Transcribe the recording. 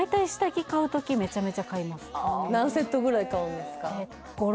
私大体何セットぐらい買うんですか？